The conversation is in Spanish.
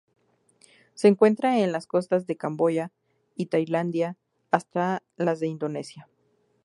Se encuentra en las costas de Camboya y Tailandia hasta las de Indonesia.